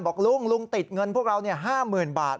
บอกลุงลุงติดเงินพวกเรา๕๐๐๐บาท